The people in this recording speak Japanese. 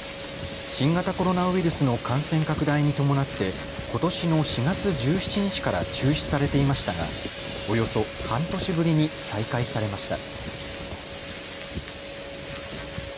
新型コロナウイルスの感染拡大に伴ってことしの４月１７日から中止されていましたがおよそ半年ぶりに再開されました。